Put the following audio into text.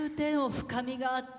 深みがあって。